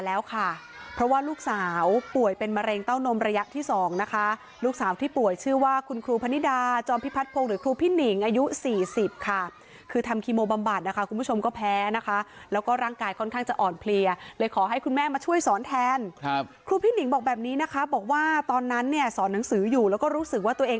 แล้วค่ะเพราะว่าลูกสาวป่วยเป็นมะเร็งเต้านมระยะที่สองนะคะลูกสาวที่ป่วยชื่อว่าคุณครูพนิดาจอมพิพัฒพงศ์หรือครูพี่หนิงอายุสี่สิบค่ะคือทำคีโมบำบัดนะคะคุณผู้ชมก็แพ้นะคะแล้วก็ร่างกายค่อนข้างจะอ่อนเพลียเลยขอให้คุณแม่มาช่วยสอนแทนครับครูพี่หนิงบอกแบบนี้นะคะบอกว่าตอนนั้นเนี่ยสอนหนังสืออยู่แล้วก็รู้สึกว่าตัวเอง